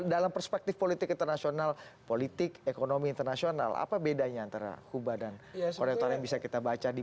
dalam perspektif politik internasional politik ekonomi internasional apa bedanya antara huba dan korea utara yang bisa kita baca di